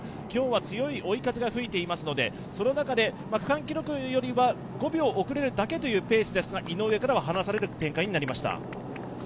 今日は強い追い風が吹いていますので、その中で区間記録よりは５秒遅れるだけというペースですが、井上からは離されている展開となりました。